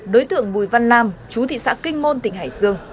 đối tượng bùi văn lam chú thị xã kinh môn tỉnh hải dương